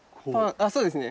あそうですね。